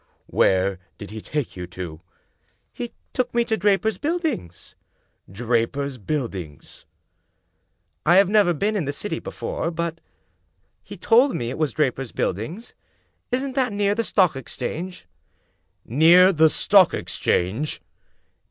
"Where did he take you to?" " He took me to Draper's Buildings." "Draper's Buildings?" " I have never been in the City before, but he told me it was Draper's Buildings. Isn't that near the Stock Ex change? "" Near the Stock Exchange?